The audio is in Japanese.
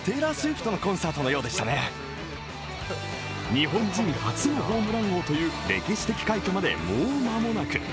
日本人初のホームラン王という歴史的快挙まで、もう間もなく。